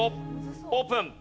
オープン。